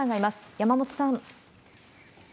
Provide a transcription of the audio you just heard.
山本さん。